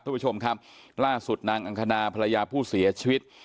คุณผู้ชมครับล่าสุดนางอังคณาภรรยาผู้เสียชีวิต